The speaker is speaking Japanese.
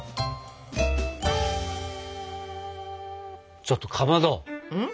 ちょっとかまど。